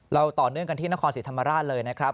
เราต่อเนื่องกันที่นครศรีธรรมราชเลยนะครับ